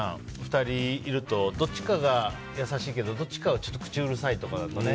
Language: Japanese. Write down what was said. ２人いるとどっちかが優しいけどどっちかは、ちょっと口うるさいとかだとね。